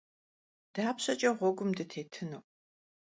Dapşeç'e ğuegum vutêtınu?